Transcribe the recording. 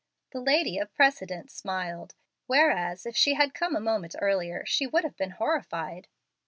The lady of precedent smiled, whereas if she had come a moment earlier she would have been horrified.